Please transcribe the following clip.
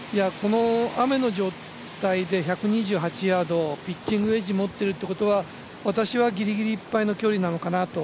雨の状態で１２８ヤードピッチングウェッジを持っているということは、私はぎりぎりいっぱいの距離なのかなと。